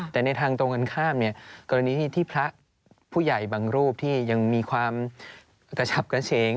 แต่ในทางตรงกันข้ามเนี่ยกรณีที่พระผู้ใหญ่บางรูปที่ยังมีความกระฉับกระเฉง